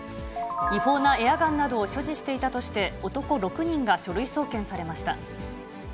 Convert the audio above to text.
違法なエアガンなどを所持していたとして、男６人が書類送検されました。